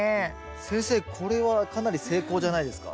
先生これはかなり成功じゃないですか？